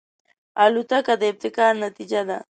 الوتکه د ابتکار نتیجه ده.